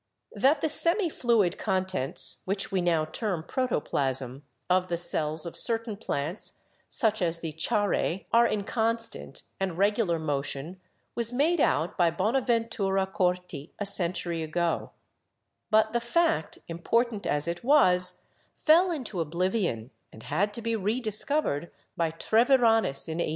That the semi fluid contents (which we now term proto plasm) of the cells of certain plants, such as the Charae, are in constant and regular motion was made out by Bona ventura Corti a century ago; but the fact, important as it 92 BIOLOGY was, fell into oblivion and had to be rediscovered by Tre viranus in 1807.